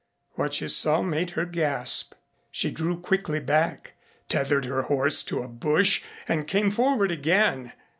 What she saw made her gasp. She drew quickly back, tethered her horse to a bush and came forward again.